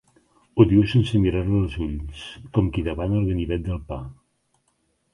Ho diu sense mirar-la als ulls, com qui demana el ganivet del pa.